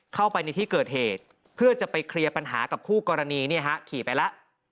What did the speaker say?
เข้าไปในที่เกิดเหตุเพื่อจะไปเคลียร์ปัญหากับคู่กรณีเนี่ยฮะขี่ไปแล้ว